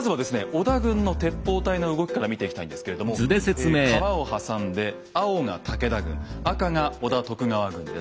織田軍の鉄砲隊の動きから見ていきたいんですけれども川を挟んで青が武田軍赤が織田・徳川軍です。